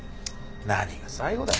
何が最後だよ